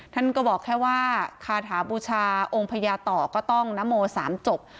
ท่านก็บอกแค่ว่าคาถาบูชาองค์พญาต่อก็ต้องนโม๓จบ